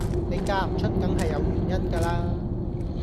你嫁唔出梗係有原因㗎啦